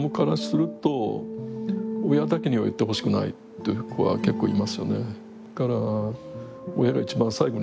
という子は結構いますよね。